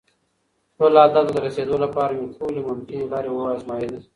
خپل هدف ته د رسېدو لپاره مې ټولې ممکنې لارې وازمویلې.